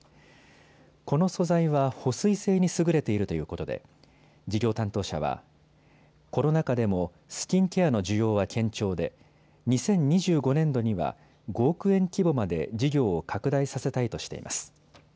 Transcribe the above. この素材は保水性に優れているということで事業担当者はコロナ禍でもスキンケアの需要は堅調で２０２５年度には５億円規模まで事業を拡大させたいとしています。